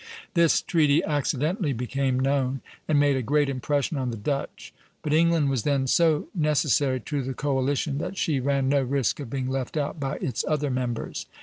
This treaty accidentally became known, and made a great impression on the Dutch; but England was then so necessary to the coalition that she ran no risk of being left out by its other members.